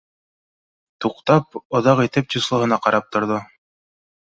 Туҡтап, оҙаҡ итеп числоһына ҡарап торҙо